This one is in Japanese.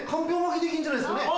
出来んじゃないですかね。